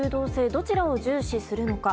どちらを重視するのか。